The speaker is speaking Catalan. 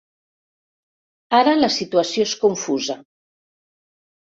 Ara la situació és confusa.